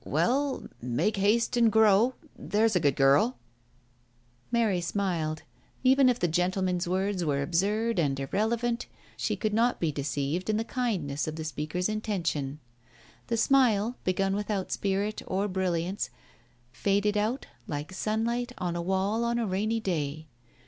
"Well, make haste and grow, there's a good girl !" Mary smiled. Even if the gentleman's words were absurd and irrelevant, she could not be deceived in the kindness of the speaker's intention. The smile, begun without spirit or brilliance, faded out like sunlight on a wall on a rainy day.